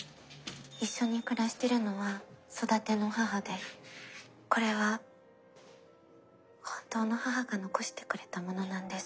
一緒に暮らしてるのは育ての母でこれは本当の母が残してくれたものなんです。